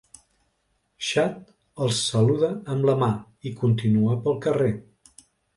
Chad els saluda amb la mà i continua pel carrer.